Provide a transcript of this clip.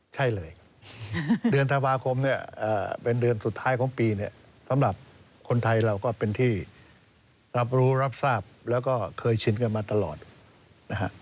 ใช่เลยเดือนธันวาคมเนี่ยเป็นเดือนสุดท้ายของปีเนี่ยสำหรับคนไทยเราก็เป็นที่รับรู้รับทราบแล้วก็เคยชินกันมาตลอดนะฮะ